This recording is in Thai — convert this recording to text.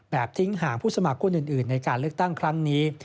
ทิ้งห่างผู้สมัครคนอื่นในการเลือกตั้งครั้งนี้